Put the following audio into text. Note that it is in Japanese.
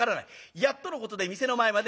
やっとのことで店の前までたどり。